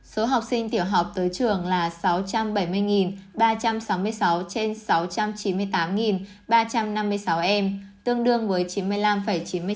số học sinh tiểu học tới trường là sáu trăm bảy mươi ba trăm sáu mươi sáu trên sáu trăm chín mươi tám ba trăm năm mươi sáu em tương đương với chín mươi năm chín mươi tám